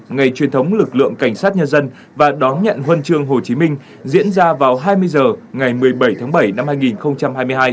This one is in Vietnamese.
ngày truyền thống lực lượng cảnh sát nhân dân và đón nhận huân chương hồ chí minh diễn ra vào hai mươi h ngày một mươi bảy tháng bảy năm hai nghìn hai mươi hai